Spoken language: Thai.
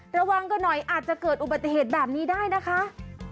ระวังกันหน่อยอาจจะเกิดอุบัติเหตุแบบนี้ได้นะคะ